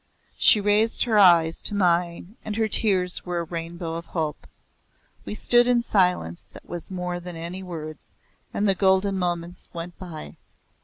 She raised her eyes to mine and her tears were a rainbow of hope. So we stood in silence that was more than any words, and the golden moments went by.